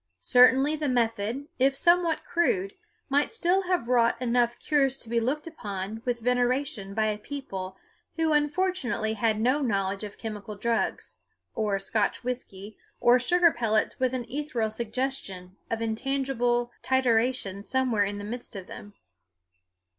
Certainly the method, if somewhat crude, might still have wrought enough cures to be looked upon with veneration by a people who unfortunately had no knowledge of chemical drugs, or Scotch whisky, or sugar pellets with an ethereal suggestion of intangible triturations somewhere in the midst of them.